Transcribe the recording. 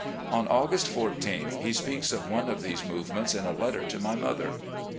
On August 14th, he speaks of one of these movements in a letter to my mother*.